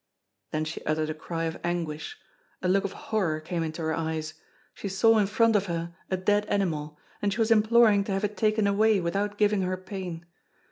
Then she uttered a cry of anguish a look of horror came into her eyes. She saw in front of her a dead animal, and she was imploring to have it taken away without giving her pain.